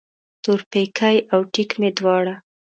تورپیکی او ټیک مې دواړه